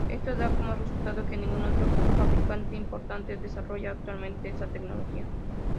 Esto da como resultado que ningún otro fabricante importante desarrolla actualmente esta tecnología.